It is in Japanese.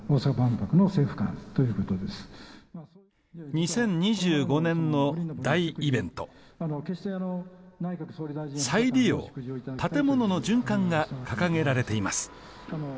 ２０２５年の大イベント再利用建物の循環が掲げられています